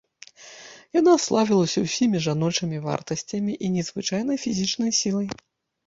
Яна славілася ўсімі жаночымі вартасцямі і незвычайнай фізічнай сілай.